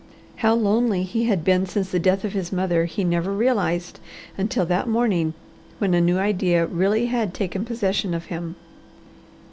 How lonely he had been since the death of his mother he never realized until that morning when a new idea really had taken possession of him.